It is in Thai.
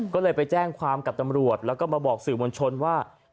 ก็เลยไปแจ้งความกับตำรวจแล้วก็มาบอกสื่อมวลชนว่า